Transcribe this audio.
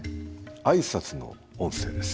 あいさつの音声です。